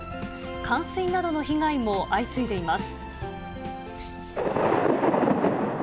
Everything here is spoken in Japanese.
冠水などの被害も相次いでいます。